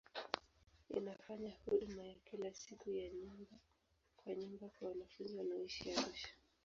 Inafanya huduma ya kila siku ya nyumba kwa nyumba kwa wanafunzi wanaoishi Arusha.